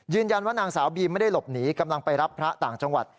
นางสาวบีมไม่ได้หลบหนีกำลังไปรับพระต่างจังหวัด